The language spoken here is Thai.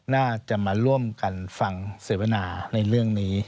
น่าจะมาร่วมกันฟังเสวนาในเรื่องนี้